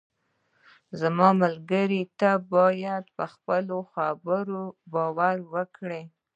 زما ملګری، ته باید پر خپلو خبرو باور وکړې.